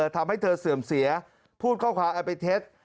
ทำให้เธอเสื่อมเสียพูดเข้าขวาแอปเต็ด